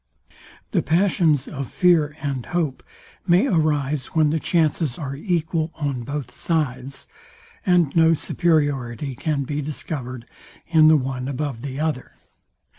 The passions of fear and hope may arise when the chances are equal on both sides, and no superiority can be discovered in the one above the other.